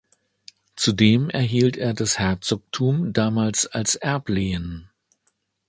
Zudem erhielt er das Herzogtum damals als Erblehen.